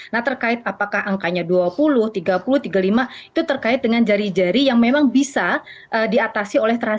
nah terkait apakah angkanya dua puluh tiga puluh tiga puluh lima itu terkait dengan jari jari yang memang bisa diatasi oleh transaksi